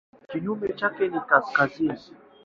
Kinyume chake ni kaskazini.